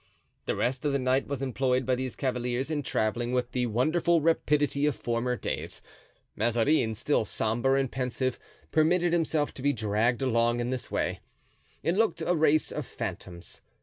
The rest of the night was employed by these cavaliers in traveling with the wonderful rapidity of former days. Mazarin, still sombre and pensive, permitted himself to be dragged along in this way; it looked a race of phantoms.